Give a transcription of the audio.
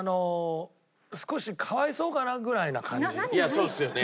いやそうっすよね。